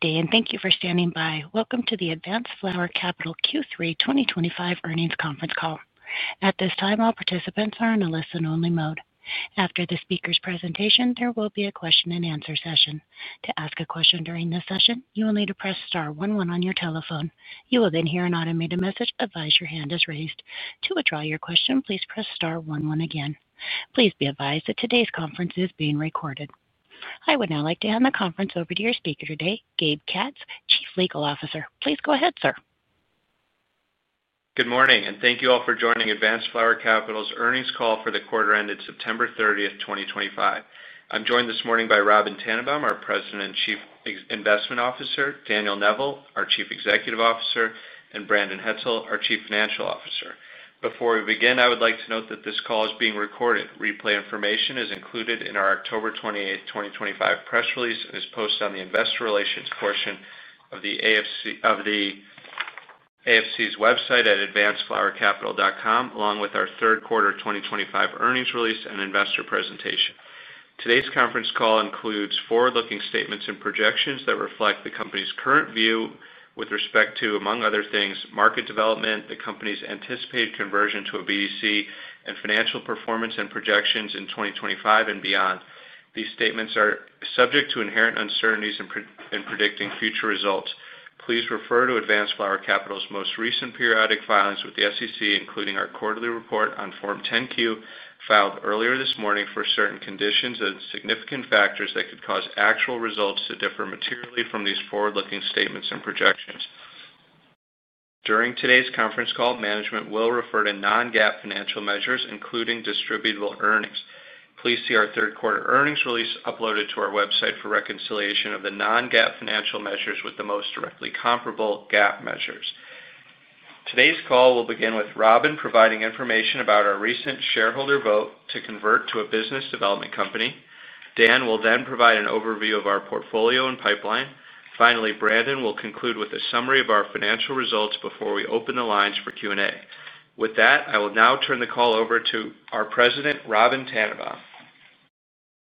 Good day, and thank you for standing by. Welcome to the Advanced Flower Capital Q3 2025 earnings conference call. At this time, all participants are in a listen-only mode. After the speaker's presentation, there will be a question-and-answer session. To ask a question during this session, you will need to press star one one on your telephone. You will then hear an automated message that advises your hand is raised. To withdraw your question, please press star one one again. Please be advised that today's conference is being recorded. I would now like to hand the conference over to your speaker today, Gabe Katz, Chief Legal Officer. Please go ahead, sir. Good morning, and thank you all for joining Advanced Flower Capital's earnings call for the quarter ended September 30th, 2025. I'm joined this morning by Robyn Tannenbaum, our President and Chief Investment Officer; Daniel Neville, our Chief Executive Officer; and Brandon Hetzel, our Chief Financial Officer. Before we begin, I would like to note that this call is being recorded. Replay information is included in our October 28th, 2025 press release and is posted on the investor relations portion of AFC's website at advancedflowercapital.com, along with our third quarter 2025 earnings release and investor presentation. Today's conference call includes forward-looking statements and projections that reflect the company's current view with respect to, among other things, market development, the company's anticipated conversion to a BDC, and financial performance and projections in 2025 and beyond. These statements are subject to inherent uncertainties in predicting future results. Please refer to Advanced Flower Capital's most recent periodic filings with the SEC, including our quarterly report on Form 10-Q filed earlier this morning for certain conditions and significant factors that could cause actual results to differ materially from these forward-looking statements and projections. During today's conference call, management will refer to non-GAAP financial measures, including distributable earnings. Please see our third quarter earnings release uploaded to our website for reconciliation of the non-GAAP financial measures with the most directly comparable GAAP measures. Today's call will begin with Robyn providing information about our recent shareholder vote to convert to a business development company. Dan will then provide an overview of our portfolio and pipeline. Finally, Brandon will conclude with a summary of our financial results before we open the lines for Q&A. With that, I will now turn the call over to our President, Robyn Tannenbaum.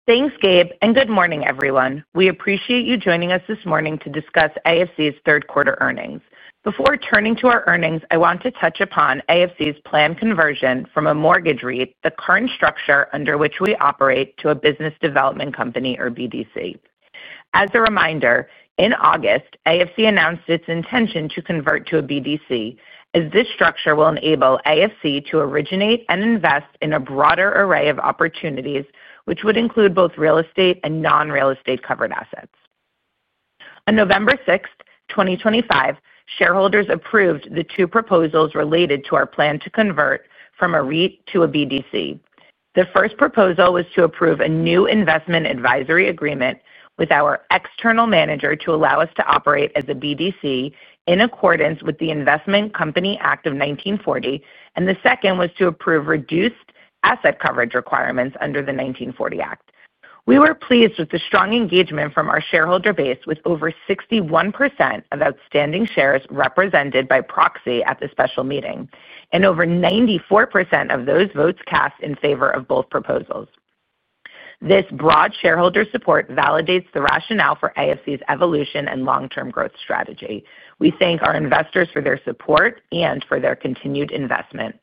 Thanks, Gabe, and good morning, everyone. We appreciate you joining us this morning to discuss AFC's third quarter earnings. Before turning to our earnings, I want to touch upon AFC's planned conversion from a mortgage REIT, the current structure under which we operate, to a business development company, or BDC. As a reminder, in August, AFC announced its intention to convert to a BDC, as this structure will enable AFC to originate and invest in a broader array of opportunities, which would include both real estate and non-real estate covered assets. On November 6th, 2025, shareholders approved the two proposals related to our plan to convert from a REIT to a BDC. The first proposal was to approve a new investment advisory agreement with our external manager to allow us to operate as a BDC in accordance with the Investment Company Act of 1940, and the second was to approve reduced asset coverage requirements under the 1940 Act. We were pleased with the strong engagement from our shareholder base, with over 61% of outstanding shares represented by proxy at the special meeting, and over 94% of those votes cast in favor of both proposals. This broad shareholder support validates the rationale for AFC's evolution and long-term growth strategy. We thank our investors for their support and for their continued investment.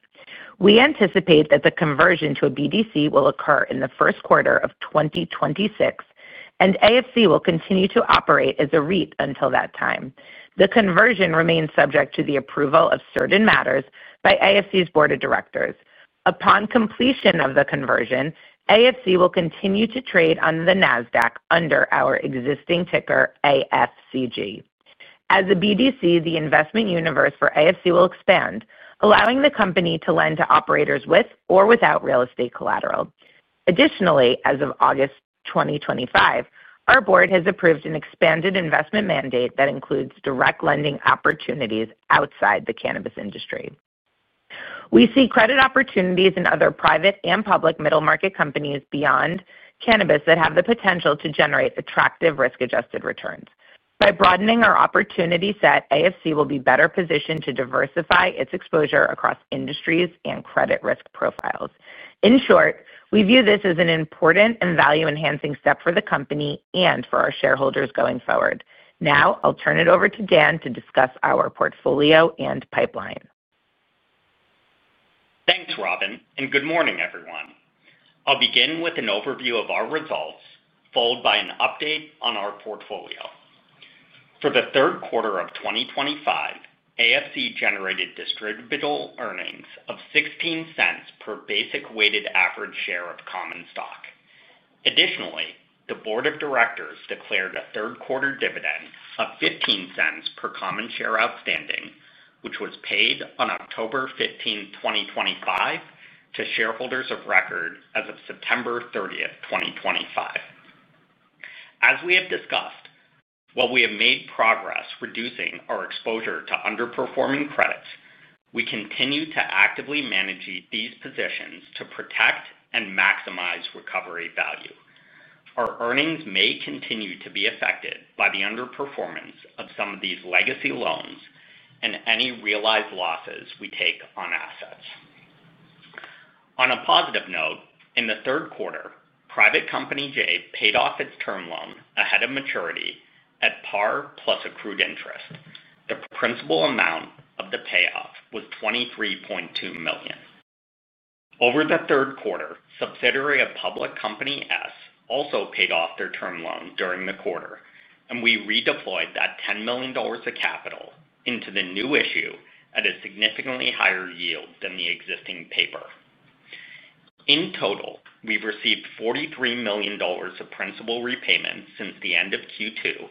We anticipate that the conversion to a BDC will occur in the first quarter of 2026, and AFC will continue to operate as a REIT until that time. The conversion remains subject to the approval of certain matters by AFC's board of directors. Upon completion of the conversion, AFC will continue to trade on the Nasdaq under our existing ticker AFCG. As a BDC, the investment universe for AFC will expand, allowing the company to lend to operators with or without real estate collateral. Additionally, as of August 2025, our board has approved an expanded investment mandate that includes direct lending opportunities outside the cannabis industry. We see credit opportunities in other private and public middle-market companies beyond cannabis that have the potential to generate attractive risk-adjusted returns. By broadening our opportunity set, AFC will be better positioned to diversify its exposure across industries and credit risk profiles. In short, we view this as an important and value-enhancing step for the company and for our shareholders going forward. Now, I'll turn it over to Dan to discuss our portfolio and pipeline. Thanks, Robyn, and good morning, everyone. I'll begin with an overview of our results, followed by an update on our portfolio. For the third quarter of 2025, AFC generated distributable earnings of $0.16 per basic weighted average share of common stock. Additionally, the board of directors declared a third-quarter dividend of $0.15 per common share outstanding, which was paid on October 15th, 2025, to shareholders of record as of September 30th, 2025. As we have discussed, while we have made progress reducing our exposure to underperforming credits, we continue to actively manage these positions to protect and maximize recovery value. Our earnings may continue to be affected by the underperformance of some of these legacy loans and any realized losses we take on assets. On a positive note, in the third quarter, private company J paid off its term loan ahead of maturity at par plus accrued interest. The principal amount of the payoff was $23.2 million. Over the third quarter, subsidiary of public company S also paid off their term loan during the quarter, and we redeployed that $10 million of capital into the new issue at a significantly higher yield than the existing paper. In total, we've received $43 million of principal repayment since the end of Q2,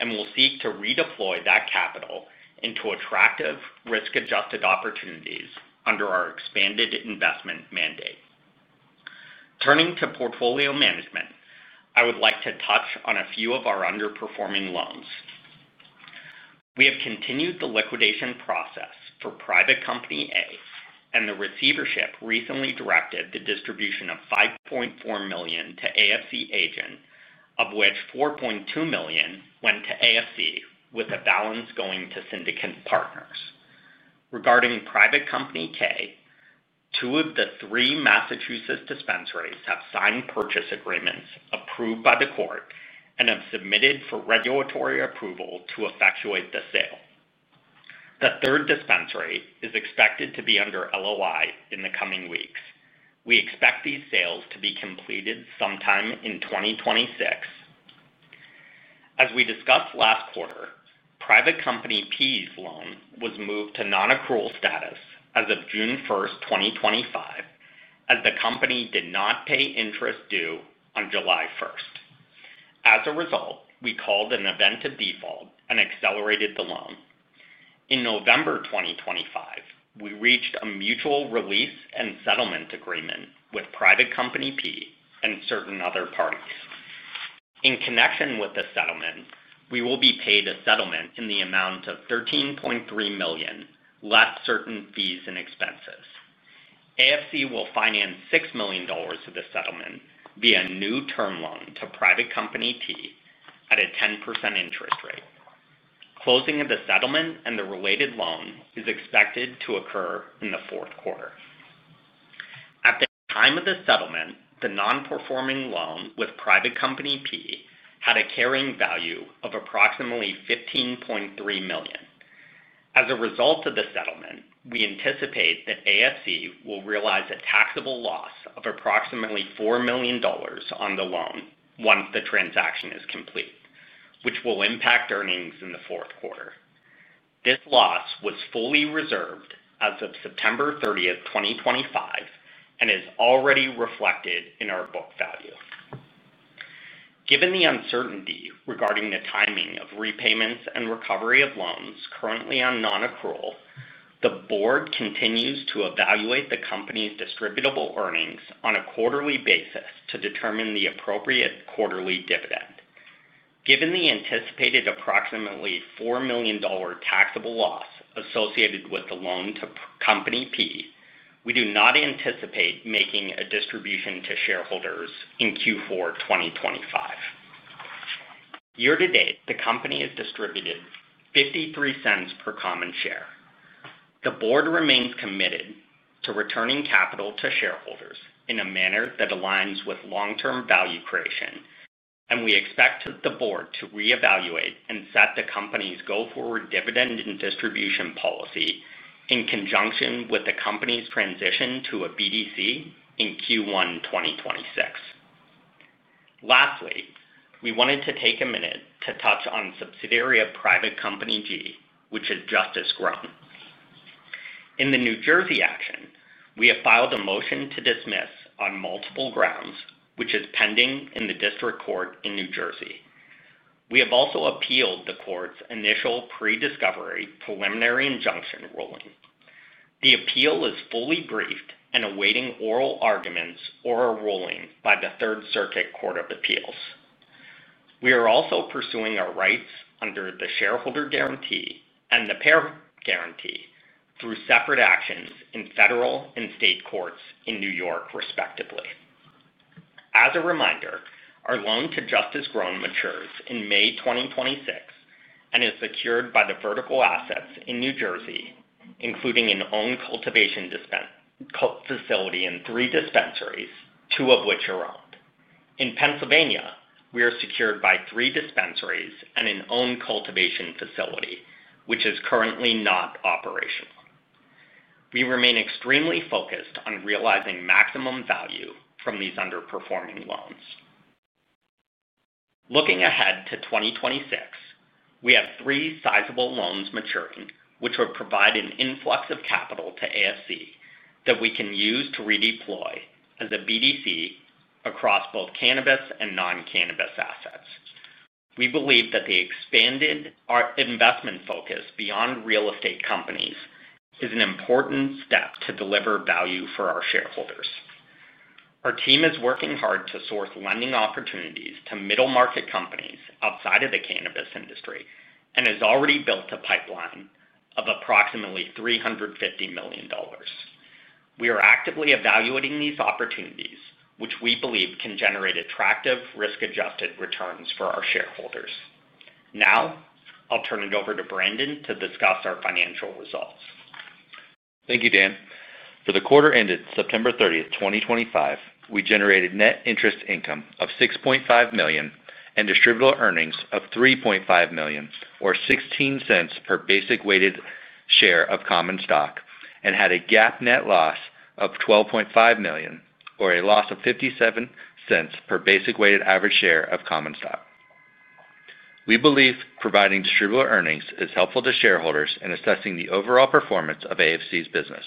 and we'll seek to redeploy that capital into attractive risk-adjusted opportunities under our expanded investment mandate. Turning to portfolio management, I would like to touch on a few of our underperforming loans. We have continued the liquidation process for private company A, and the receivership recently directed the distribution of $5.4 million to AFC Agent, of which $4.2 million went to AFC, with the balance going to Syndicate Partners. Regarding private company K, two of the three Massachusetts dispensaries have signed purchase agreements approved by the court and have submitted for regulatory approval to effectuate the sale. The third dispensary is expected to be under LOI in the coming weeks. We expect these sales to be completed sometime in 2026. As we discussed last quarter, private company P's loan was moved to non-accrual status as of June 1st, 2025, as the company did not pay interest due on July 1st. As a result, we called an event of default and accelerated the loan. In November 2025, we reached a mutual release and settlement agreement with private company P and certain other parties. In connection with the settlement, we will be paid a settlement in the amount of $13.3 million less certain fees and expenses. AFC will finance $6 million of the settlement via a new term loan to private company T at a 10% interest rate. Closing of the settlement and the related loan is expected to occur in the fourth quarter. At the time of the settlement, the non-performing loan with private company P had a carrying value of approximately $15.3 million. As a result of the settlement, we anticipate that AFC will realize a taxable loss of approximately $4 million on the loan once the transaction is complete, which will impact earnings in the fourth quarter. This loss was fully reserved as of September 30th, 2025, and is already reflected in our book value. Given the uncertainty regarding the timing of repayments and recovery of loans currently on non-accrual, the board continues to evaluate the company's distributable earnings on a quarterly basis to determine the appropriate quarterly dividend. Given the anticipated approximately $4 million taxable loss associated with the loan to company P, we do not anticipate making a distribution to shareholders in Q4 2025. Year to date, the company has distributed $0.53 per common share. The board remains committed to returning capital to shareholders in a manner that aligns with long-term value creation, and we expect the board to reevaluate and set the company's go-forward dividend and distribution policy in conjunction with the company's transition to a BDC in Q1 2026. Lastly, we wanted to take a minute to touch on subsidiary of private company G, which is Justice ground. In the New Jersey action, we have filed a motion to dismiss on multiple grounds, which is pending in the district court in New Jersey. We have also appealed the court's initial pre-discovery preliminary injunction ruling. The appeal is fully briefed and awaiting oral arguments or a ruling by the Third Circuit Court of Appeals. We are also pursuing our rights under the shareholder guarantee and the parent guarantee through separate actions in federal and state courts in New York, respectively. As a reminder, our loan to Justice ground matures in May 2026 and is secured by the vertical assets in New Jersey, including an owned cultivation facility and three dispensaries, two of which are owned. In Pennsylvania, we are secured by three dispensaries and an owned cultivation facility, which is currently not operational. We remain extremely focused on realizing maximum value from these underperforming loans. Looking ahead to 2026, we have three sizable loans maturing, which would provide an influx of capital to AFC that we can use to redeploy as a BDC across both cannabis and non-cannabis assets. We believe that the expanded investment focus beyond real estate companies is an important step to deliver value for our shareholders. Our team is working hard to source lending opportunities to middle-market companies outside of the cannabis industry and has already built a pipeline of approximately $350 million. We are actively evaluating these opportunities, which we believe can generate attractive risk-adjusted returns for our shareholders. Now, I'll turn it over to Brandon to discuss our financial results. Thank you, Dan. For the quarter ended September 30th, 2025, we generated net interest income of $6.5 million and distributable earnings of $3.5 million, or $0.16 per basic weighted share of common stock, and had a GAAP net loss of $12.5 million, or a loss of $0.57 per basic weighted average share of common stock. We believe providing distributable earnings is helpful to shareholders in assessing the overall performance of AFCG's business.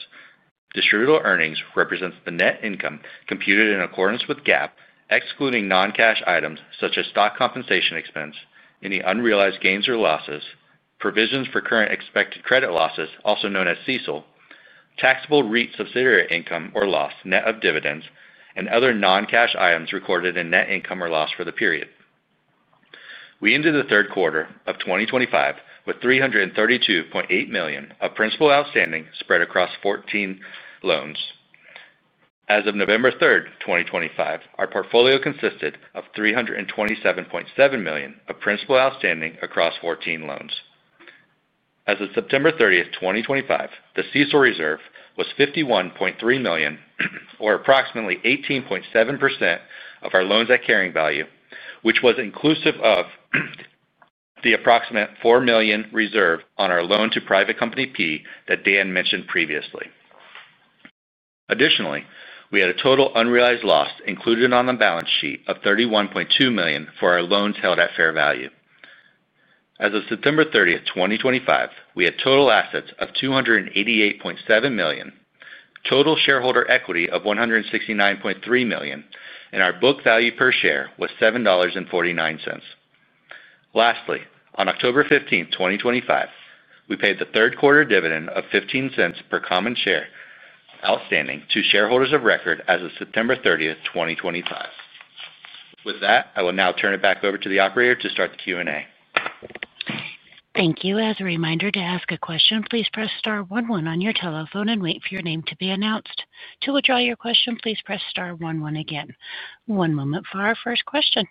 Distributable earnings represents the net income computed in accordance with GAAP, excluding non-cash items such as stock compensation expense, any unrealized gains or losses, provisions for current expected credit losses, also known as CECL, taxable REIT subsidiary income or loss net of dividends, and other non-cash items recorded in net income or loss for the period. We entered the third quarter of 2025 with $332.8 million of principal outstanding spread across 14 loans. As of November 3rd, 2025, our portfolio consisted of $327.7 million of principal outstanding across 14 loans. As of September 30th, 2025, the CECL reserve was $51.3 million, or approximately 18.7% of our loans at carrying value, which was inclusive of the approximate $4 million reserve on our loan to private company P that Dan mentioned previously. Additionally, we had a total unrealized loss included on the balance sheet of $31.2 million for our loans held at fair value. As of September 30th, 2025, we had total assets of $288.7 million, total shareholder equity of $169.3 million, and our book value per share was $7.49. Lastly, on October 15th, 2025, we paid the third-quarter dividend of $0.15 per common share outstanding to shareholders of record as of September 30th, 2025. With that, I will now turn it back over to the operator to start the Q&A. Thank you. As a reminder to ask a question, please press star 11 on your telephone and wait for your name to be announced. To withdraw your question, please press star 11 again. One moment for our first question.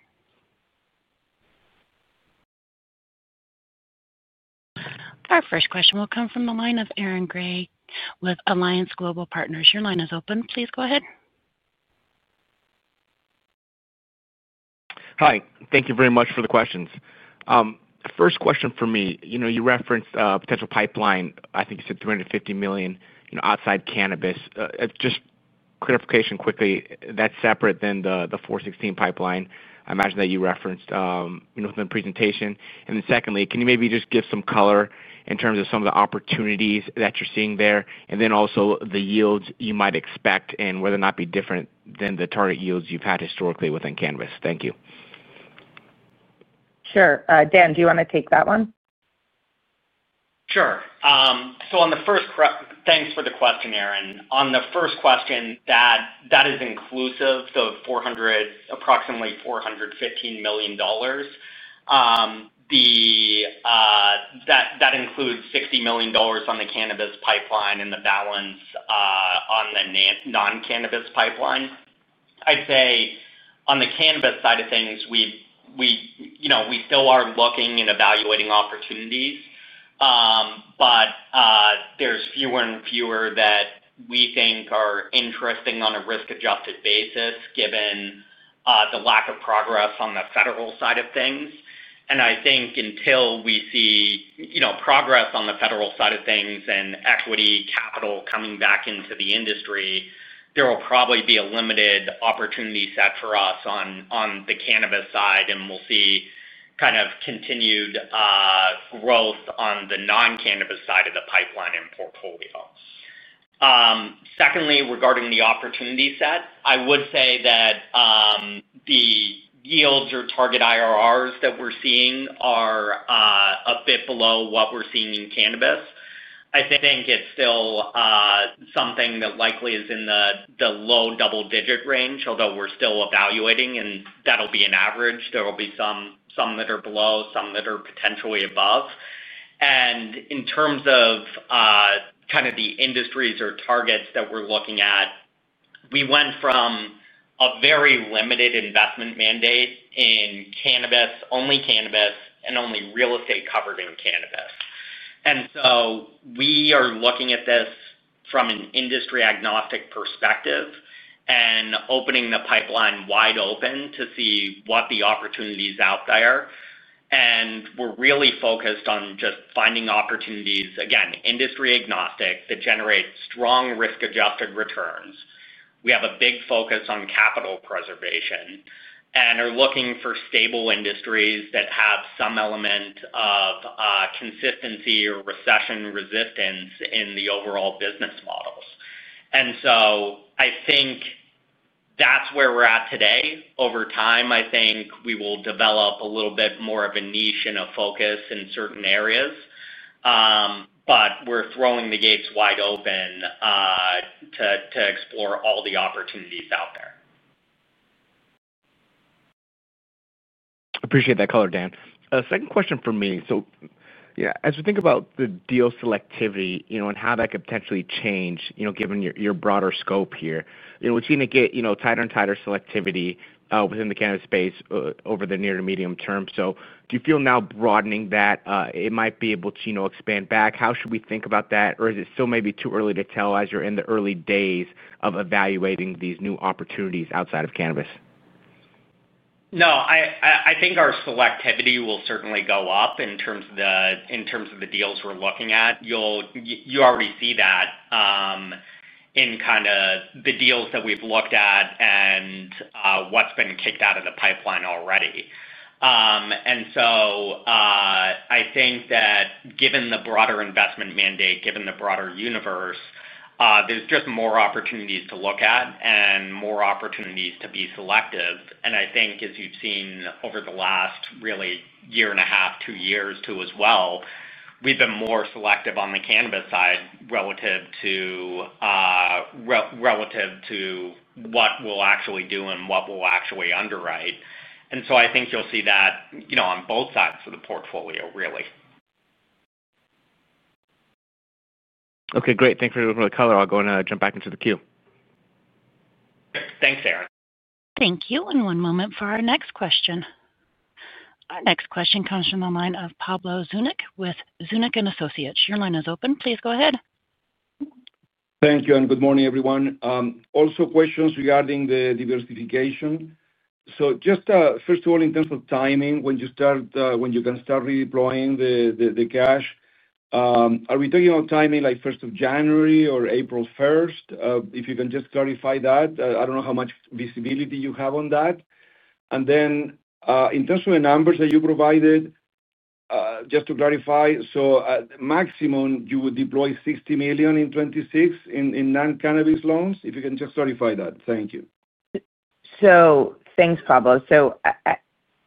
Our first question will come from the line of Aaron Grey with Alliance Global Partners. Your line is open. Please go ahead. Hi. Thank you very much for the questions. First question for me, you referenced a potential pipeline. I think you said $350 million outside cannabis. Just clarification quickly, that's separate than the $416 million pipeline I imagine that you referenced within the presentation. Secondly, can you maybe just give some color in terms of some of the opportunities that you're seeing there, and then also the yields you might expect and whether or not it'd be different than the target yields you've had historically within cannabis? Thank you. Sure. Dan, do you want to take that one? Sure. On the first, thanks for the question, Aaron. On the first question, that is inclusive of approximately $415 million. That includes $60 million on the cannabis pipeline and the balance on the non-cannabis pipeline. I'd say on the cannabis side of things, we still are looking and evaluating opportunities, but there's fewer and fewer that we think are interesting on a risk-adjusted basis given the lack of progress on the federal side of things. I think until we see progress on the federal side of things and equity capital coming back into the industry, there will probably be a limited opportunity set for us on the cannabis side, and we'll see kind of continued growth on the non-cannabis side of the pipeline and portfolio. Secondly, regarding the opportunity set, I would say that the yields or target IRRs that we're seeing are a bit below what we're seeing in cannabis. I think it's still something that likely is in the low double-digit range, although we're still evaluating, and that'll be an average. There will be some that are below, some that are potentially above. In terms of kind of the industries or targets that we're looking at, we went from a very limited investment mandate in cannabis, only cannabis, and only real estate covered in cannabis. We are looking at this from an industry-agnostic perspective and opening the pipeline wide open to see what the opportunities out there. We're really focused on just finding opportunities, again, industry-agnostic that generate strong risk-adjusted returns. We have a big focus on capital preservation and are looking for stable industries that have some element of consistency or recession resistance in the overall business models. I think that's where we're at today. Over time, I think we will develop a little bit more of a niche and a focus in certain areas, but we're throwing the gates wide open to explore all the opportunities out there. Appreciate that color, Dan. Second question for me. As we think about the deal selectivity and how that could potentially change, given your broader scope here, we're seeing it get tighter and tighter selectivity within the cannabis space over the near to medium term. Do you feel now broadening that it might be able to expand back? How should we think about that? Or is it still maybe too early to tell as you're in the early days of evaluating these new opportunities outside of cannabis? No, I think our selectivity will certainly go up in terms of the deals we're looking at. You already see that in kind of the deals that we've looked at and what's been kicked out of the pipeline already. I think that given the broader investment mandate, given the broader universe, there's just more opportunities to look at and more opportunities to be selective. I think as you've seen over the last really year and a half, two years too as well, we've been more selective on the cannabis side relative to what we'll actually do and what we'll actually underwrite. I think you'll see that on both sides of the portfolio, really. Okay. Great. Thank you for the color. I'll go ahead and jump back into the queue. Thanks, Aaron. Thank you. One moment for our next question. Our next question comes from the line of Pablo Zuanic with Zunic & Associates. Your line is open. Please go ahead. Thank you. Good morning, everyone. Also, questions regarding the diversification. First of all, in terms of timing, when you can start redeploying the cash, are we talking about timing like January or April 1? If you can just clarify that. I do not know how much visibility you have on that. In terms of the numbers that you provided, just to clarify, maximum you would deploy $60 million in 2026 in non-cannabis loans? If you can just clarify that. Thank you. Thanks, Pablo.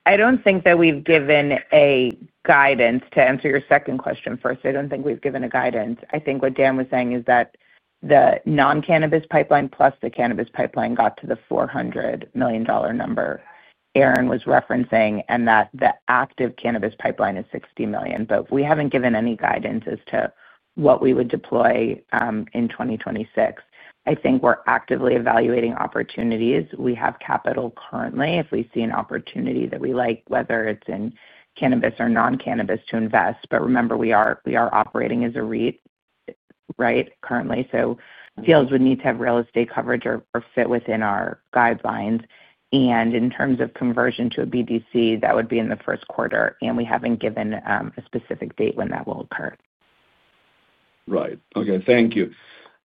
I do not think that we have given a guidance to answer your second question first. I do not think we have given a guidance. I think what Dan was saying is that the non-cannabis pipeline plus the cannabis pipeline got to the $400 million number Aaron was referencing, and that the active cannabis pipeline is $60 million. We have not given any guidance as to what we would deploy in 2026. I think we are actively evaluating opportunities. We have capital currently if we see an opportunity that we like, whether it is in cannabis or non-cannabis to invest. Remember, we are operating as a REIT currently. Deals would need to have real estate coverage or fit within our guidelines. In terms of conversion to a BDC, that would be in the first quarter, and we have not given a specific date when that will occur. Right. Okay. Thank you.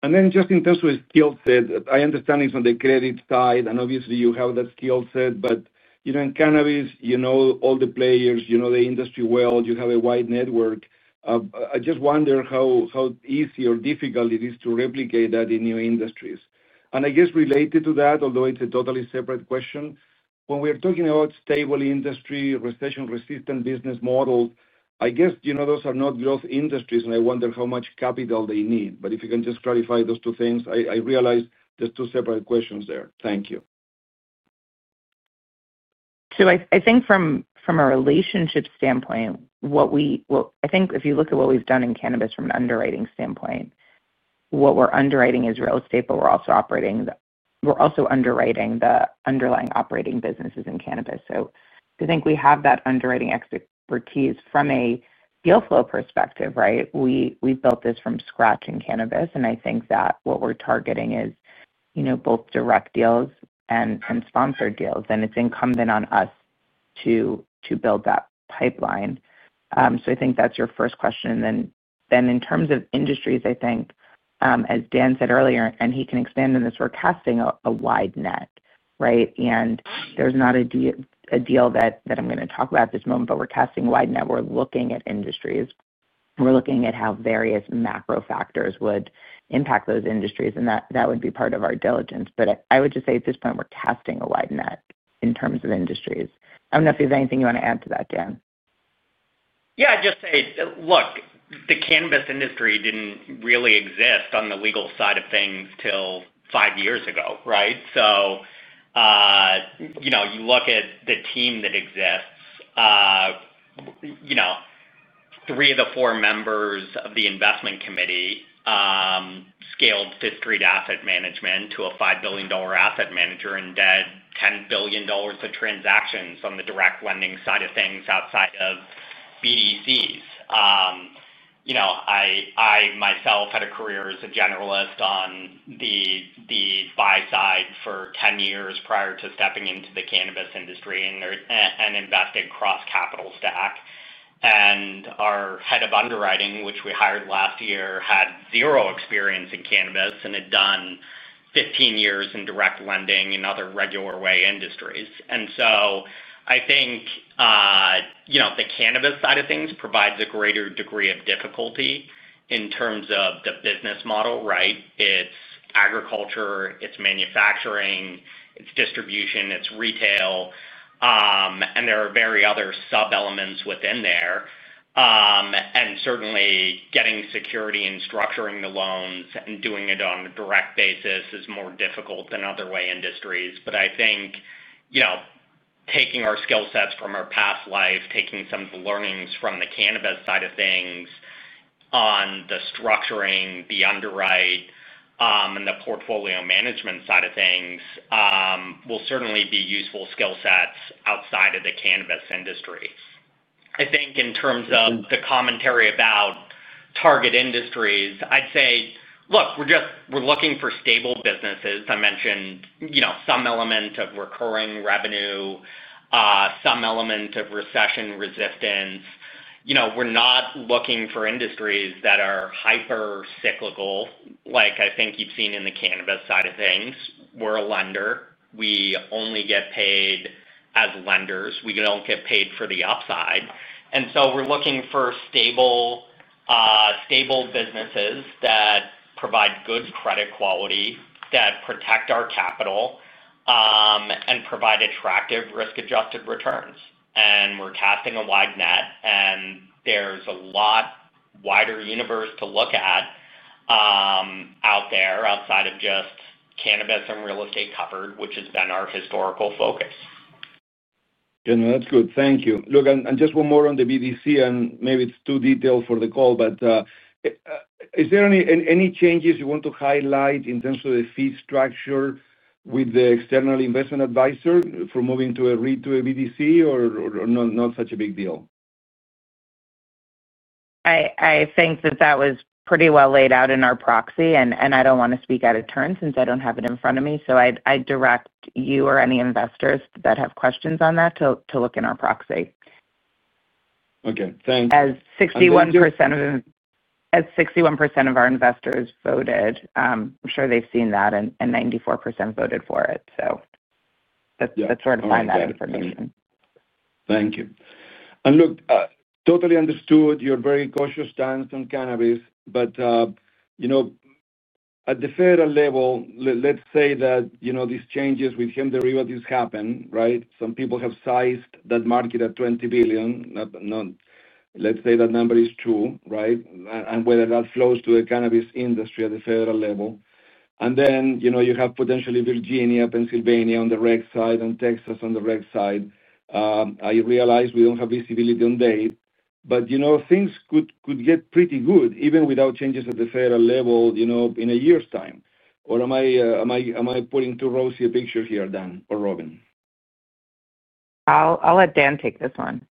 In terms of skill set, I understand it's on the credit side, and obviously you have that skill set, but in cannabis, you know all the players, you know the industry well, you have a wide network. I just wonder how easy or difficult it is to replicate that in new industries. I guess related to that, although it's a totally separate question, when we are talking about stable industry, recession-resistant business models, I guess those are not growth industries, and I wonder how much capital they need. If you can just clarify those two things, I realize there are two separate questions there. Thank you. I think from a relationship standpoint, what we—well, I think if you look at what we've done in cannabis from an underwriting standpoint, what we're underwriting is real estate, but we're also underwriting the underlying operating businesses in cannabis. I think we have that underwriting expertise from a deal flow perspective, right? We built this from scratch in cannabis, and I think that what we're targeting is both direct deals and sponsored deals, and it's incumbent on us to build that pipeline. I think that's your first question. In terms of industries, I think, as Dan said earlier, and he can expand on this, we're casting a wide net, right? There's not a deal that I'm going to talk about at this moment, but we're casting a wide net. We're looking at industries. We're looking at how various macro factors would impact those industries, and that would be part of our diligence. I would just say at this point, we're casting a wide net in terms of industries. I don't know if you have anything you want to add to that, Dan. Yeah. I'd just say, look, the cannabis industry did not really exist on the legal side of things till five years ago, right? You look at the team that exists, three of the four members of the investment committee scaled Fifth Street Asset Management to a $5 billion asset manager and did $10 billion of transactions on the direct lending side of things outside of BDCs. I myself had a career as a generalist on the buy side for 10 years prior to stepping into the cannabis industry and investing cross-capital stack. Our Head of Underwriting, which we hired last year, had zero experience in cannabis and had done 15 years in direct lending and other regular way industries. I think the cannabis side of things provides a greater degree of difficulty in terms of the business model, right? It's agriculture, it's manufacturing, it's distribution, it's retail, and there are very other sub-elements within there. Certainly, getting security and structuring the loans and doing it on a direct basis is more difficult than other way industries. I think taking our skill sets from our past life, taking some of the learnings from the cannabis side of things on the structuring, the underwrite, and the portfolio management side of things will certainly be useful skill sets outside of the cannabis industry. I think in terms of the commentary about target industries, I'd say, look, we're looking for stable businesses. I mentioned some element of recurring revenue, some element of recession resistance. We're not looking for industries that are hyper-cyclical, like I think you've seen in the cannabis side of things. We're a lender. We only get paid as lenders. We don't get paid for the upside. We're looking for stable businesses that provide good credit quality, that protect our capital, and provide attractive risk-adjusted returns. We're casting a wide net, and there's a lot wider universe to look at out there outside of just cannabis and real estate covered, which has been our historical focus. That's good. Thank you. Look, just one more on the BDC, and maybe it's too detailed for the call, but is there any changes you want to highlight in terms of the fee structure with the external investment advisor for moving from a REIT to a BDC or not such a big deal? I think that was pretty well laid out in our proxy, and I don't want to speak out of turn since I don't have it in front of me. So I direct you or any investors that have questions on that to look in our proxy. Okay. Thank you. As 61% of our investors voted, I'm sure they've seen that, and 94% voted for it. So that's where to find that information. Thank you. And look, totally understood. Your very cautious stance on cannabis. But at the federal level, let's say that these changes with [Jim Derivatives] happen, right? Some people have sized that market at $20 billion. Let's say that number is true, right? And whether that flows to the cannabis industry at the federal level. And then you have potentially Virginia, Pennsylvania on the right side, and Texas on the right side. I realize we do not have visibility on date, but things could get pretty good even without changes at the federal level in a year's time. Or am I putting too rosy a picture here, Dan, or Robyn? I'll let Dan take this one.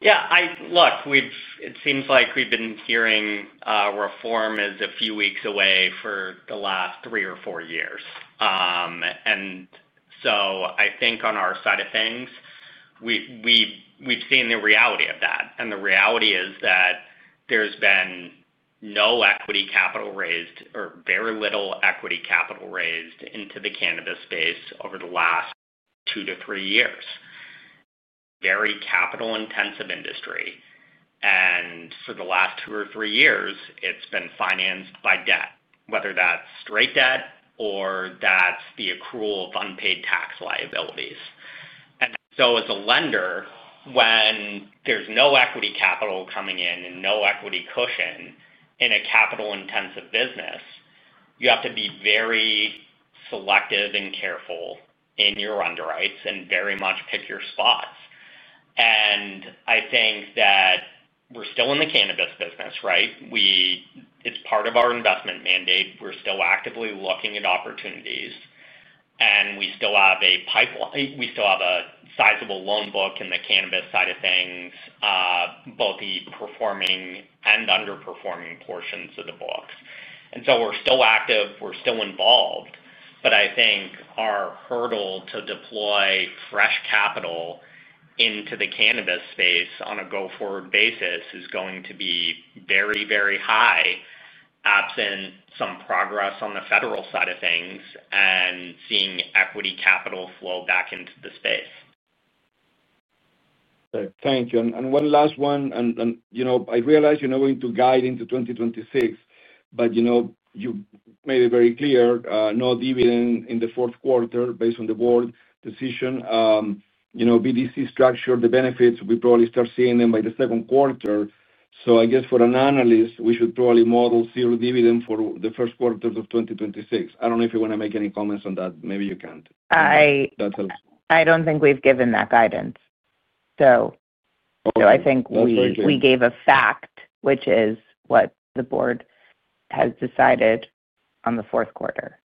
Yeah. Look, it seems like we've been hearing reform is a few weeks away for the last three or four years. I think on our side of things, we've seen the reality of that. The reality is that there's been no equity capital raised or very little equity capital raised into the cannabis space over the last two to three years. Very capital-intensive industry. For the last two or three years, it's been financed by debt, whether that's straight debt or that's the accrual of unpaid tax liabilities. As a lender, when there's no equity capital coming in and no equity cushion in a capital-intensive business, you have to be very selective and careful in your underwrites and very much pick your spots. I think that we're still in the cannabis business, right? It's part of our investment mandate. We're still actively looking at opportunities, and we still have a pipeline. We still have a sizable loan book in the cannabis side of things, both the performing and underperforming portions of the books. We are still active. We are still involved. I think our hurdle to deploy fresh capital into the cannabis space on a go-forward basis is going to be very, very high absent some progress on the federal side of things and seeing equity capital flow back into the space. Thank you. And one last one. I realize you're not going to guide into 2026, but you made it very clear no dividend in the fourth quarter based on the board decision. BDC structure, the benefits, we probably start seeing them by the second quarter. I guess for an analyst, we should probably model zero dividend for the first quarter of 2026. I don't know if you want to make any comments on that. Maybe you can't. I don't think we've given that guidance. I think we gave a fact, which is what the board has decided on the fourth quarter.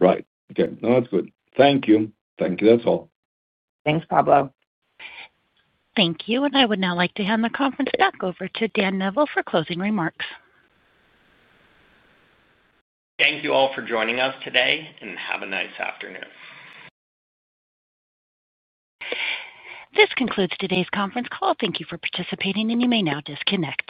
Right. Okay. No, that's good. Thank you. Thank you. That's all. Thanks, Pablo. Thank you. I would now like to hand the conference back over to Dan Neville for closing remarks. Thank you all for joining us today, and have a nice afternoon. This concludes today's conference call. Thank you for participating, and you may now disconnect.